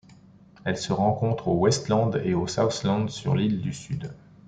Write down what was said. Elle se rencontre au Westland et au Southland dans l'île du Sud.